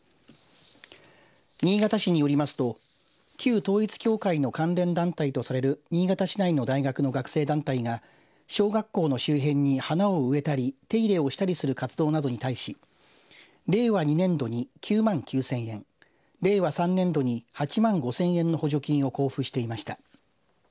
新潟市によりますと旧統一教会の関連団体とされる新潟市内の大学の学生団体が小学校の周辺に花を植えたり手入れをしたりする活動などに対し令和２年度に９万９０００円令和３年度に８万５０００円の補助金を交付していました。